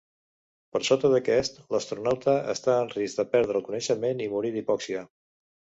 Per sota d'aquest, l'astronauta està en risc de perdre el coneixement i morir d'hipòxia.